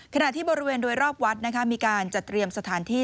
ขณะที่บริเวณโดยรอบวัดมีการจัดเตรียมสถานที่